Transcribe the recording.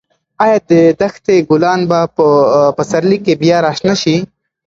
ایا د دښتې ګلان به په پسرلي کې بیا راشنه شي؟